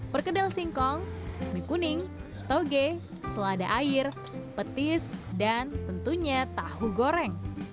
perkedel singkong mie kuning toge selada air petis dan tentunya tahu goreng